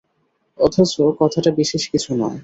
অথচ, কথাটা বিশেষ কিছুই নয়।